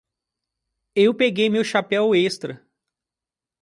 Eu peguei meu chapéu extra.